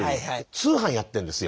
通販やってんですよ。